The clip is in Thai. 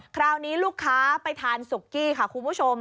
คราวนี้ลูกค้าไปทานสุกี้ค่ะคุณผู้ชม